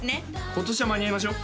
今年は間に合いましょう？